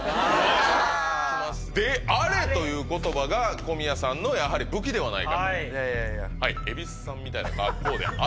「であれ」という言葉が小宮さんのやはり武器ではないかと。